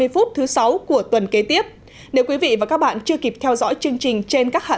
ba mươi phút thứ sáu của tuần kế tiếp nếu quý vị và các bạn chưa kịp theo dõi chương trình trên các hạng